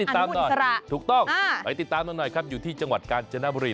ตามหน่อยถูกต้องไปติดตามกันหน่อยครับอยู่ที่จังหวัดกาญจนบุรี